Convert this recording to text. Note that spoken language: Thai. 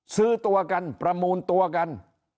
ซื้อตัวกันประมูลตัวกัน